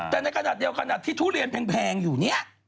แต่ในกระหนักเดียวกรรณที่ทุเรียนแพงอยู่เนี่ย